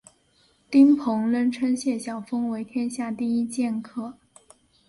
丁鹏仍称谢晓峰为天下第一剑客。